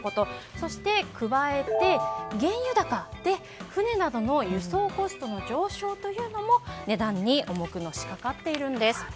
そして、加えて原油高で船などの輸送コストの上昇というのも値段に重くのしかかっているんです。